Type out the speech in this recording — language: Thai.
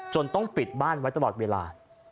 ต้องปิดบ้านไว้ตลอดเวลา